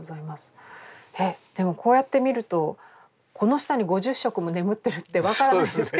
えっでもこうやって見るとこの下に５０色も眠ってるって分からないですね。